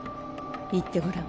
言ってごらん。